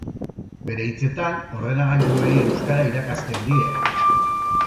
Bere hitzetan, ordenagailuei euskara irakasten die.